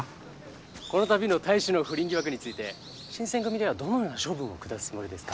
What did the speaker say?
この度の隊士の不倫疑惑について新選組ではどのような処分を下すつもりですか？